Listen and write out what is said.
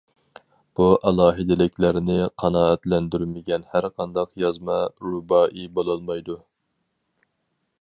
بۇ ئالاھىدىلىكلەرنى قانائەتلەندۈرمىگەن ھەر قانداق يازما رۇبائىي بولالمايدۇ.